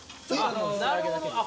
なるほど。